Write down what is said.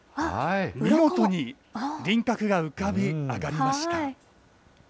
見事に輪郭が浮かび上がりました。